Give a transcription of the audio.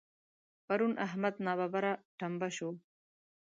پرون احمد ناببره ټمبه شو.